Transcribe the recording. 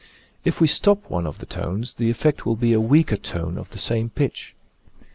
If we stop one of the tones the effect will be a weaker tone of the same pitch.